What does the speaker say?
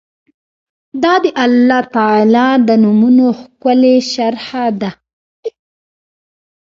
دا د الله تعالی د نومونو ښکلي شرح ده